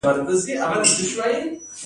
آیا د څاڅکي اوبو لګولو سیستم ګټور دی؟